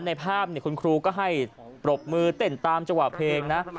ในภาพเนี้ยคุณครูก็ให้ปรบมือเต้นตามเจาะเพลงนะ